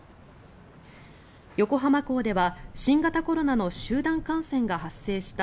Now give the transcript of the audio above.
横浜港では新型コロナの集団感染が発生した